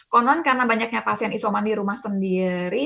konon karena banyaknya pasien isoman di rumah sendiri